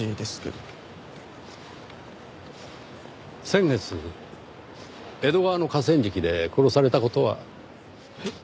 先月江戸川の河川敷で殺された事は？えっ！